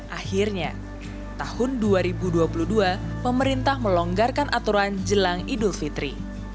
akhirnya tahun dua ribu dua puluh dua pemerintah melonggarkan aturan jelang idul fitri